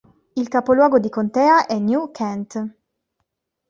Il capoluogo di contea è New Kent.